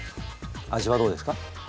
味はどうですか？